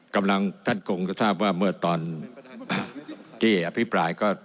กำลังท่านกรุงก็ทราบว่าเมื่อตอนที่อภิปรายก็